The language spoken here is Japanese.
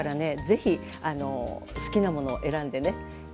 ぜひ好きなもの選んでね